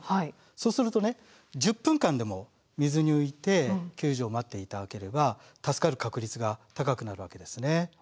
そうするとね１０分間でも水に浮いて救助を待っていただければ助かる確率が高くなるわけですね。